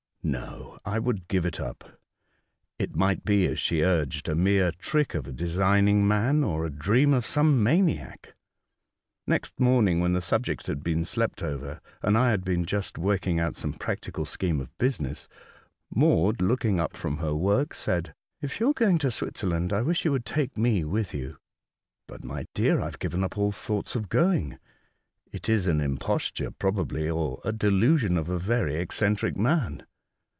No, I would give it up. It might be, as she urged, a mere trick of a designing man, or a dream of some maniac. Next morning, when the subject had been slept over, and I had just been working out 198 A Voyage to Other Worlds, some practical sclieme of business, Maud, looking up from her work, said :" If you are going to Switzerland, I wish you would take me with you." " But, my dear, I have given up all thoughts of going. It is an imposture probably, or a delusion of a very eccentric man."